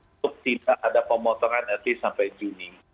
untuk tidak ada pemotongan nanti sampai juni